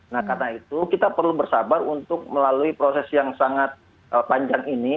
nah karena itu kita perlu bersabar untuk melalui proses yang sangat panjang ini